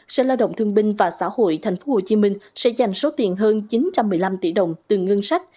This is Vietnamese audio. sở lao động thương binh và xã hội tp hcm sẽ dành số tiền hơn chín trăm một mươi năm tỷ đồng từ ngân sách